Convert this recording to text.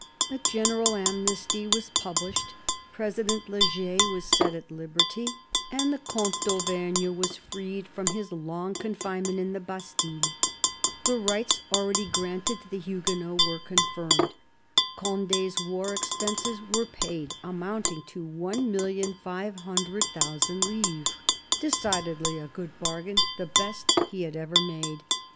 A general amnesty, was published; President Le Jay was set at liberty, and THE BISHOP OF LUgON yy the Comte d'Auvergne was freed from his long confine ment in the Bastille; the rights already granted to the Huguenots were confirmed; Conde's war expenses were paid, amounting to 1,500,000 livres. Decidedly a good bargain ; the best he |had ever made.